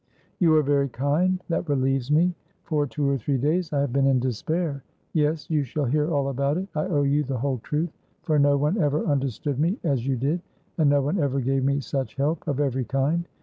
"You are very kind. That relieves me. For two or three days I have been in despair. Yes, you shall hear all about it. I owe you the whole truth, for no one ever understood me as you did, and no one ever gave me such helpof every kind.